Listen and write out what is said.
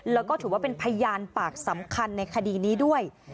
แล้วก็ถือว่าเป็นพยานปากสำคัญในคดีนี้ด้วย